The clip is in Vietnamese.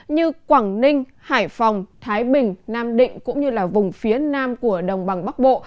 như quảng ninh hải phòng thái bình nam định cũng như vùng phía nam của đồng bằng bắc bộ